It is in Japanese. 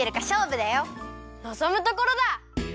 のぞむところだ！